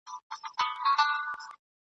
د یوه لېوه له خولې بل ته ور لوېږي !.